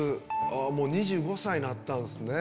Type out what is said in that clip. もう２５歳になったんすね。